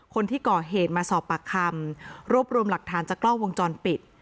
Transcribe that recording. คนที่ก่อเหตุมาสอบปากคำรวบรวมหลักฐานจากกล้องวงจรปิด